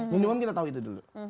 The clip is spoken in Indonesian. minuman kita tahu itu dulu